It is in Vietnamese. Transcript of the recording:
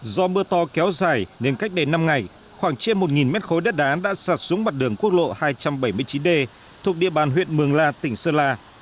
do mưa to kéo dài nên cách đây năm ngày khoảng trên một mét khối đất đá đã sạt xuống mặt đường quốc lộ hai trăm bảy mươi chín d thuộc địa bàn huyện mường la tỉnh sơn la